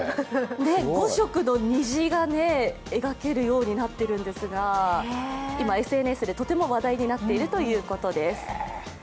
５色の虹が描けるようになってるんですが今、ＳＮＳでとても話題になっているということです。